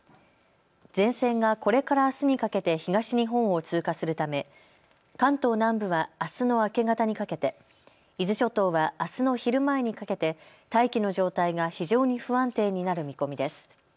前線がこれからあすにかけて東日本を通過するため、関東南部はあすの明け方にかけて、伊豆諸島はあすの昼前にかけて大気の状態が非常に不安定になる見込みです。